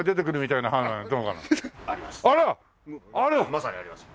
まさにあります。